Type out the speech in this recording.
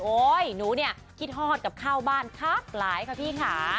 หนูเนี่ยคิดฮอดกับข้าวบ้านทักหลายค่ะพี่ค่ะ